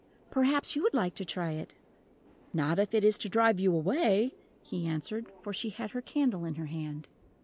"Perhaps you would like to try it." "Not if it is to drive you away," he answered, for she had her candle in her hand.